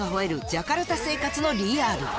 ジャカルタ生活のリアル。